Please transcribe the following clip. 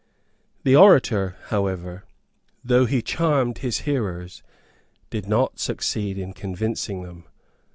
The orator, however, though he charmed his hearers, did not succeed in convincing them.